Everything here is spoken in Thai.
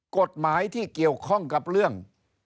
กฎหมายที่เกี่ยวข้องกับเรื่อง